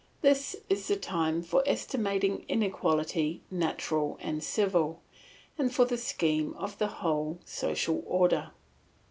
This is the time for estimating inequality natural and civil, and for the scheme of the whole social order.